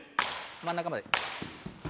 真ん中まで。